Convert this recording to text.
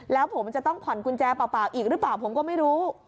แล้วผมจะต้องผ่อนกุญแจเปล่าอีกหรือเปล่าผมก็ไม่รู้